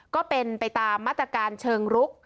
ก็เป็นไปตามมาตรการเชิงรุก